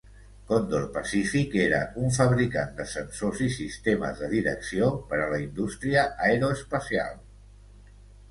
Condor Pacific era un fabricant de sensors i sistemes de direcció per a la indústria aeroespacial.